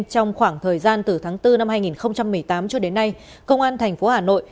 trong khoảng thời gian từ tháng bốn năm hai nghìn một mươi tám cho đến nay công an thành phố hà nội